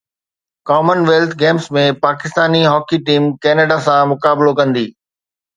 ڪمن wealth Games ۾ Pakistani hockey team Canada سان مقابلو ڪندي